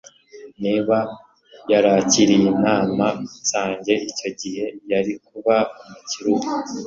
Niba yarakiriye inama zanjye icyo gihe, yari kuba umukire ubu.